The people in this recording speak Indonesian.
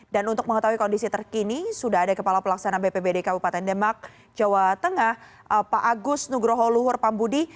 dan untuk mengetahui kondisi terkini sudah ada kepala pelaksanaan bpbdk bupatan demak jawa tengah pak agus nugroho luhur pambudi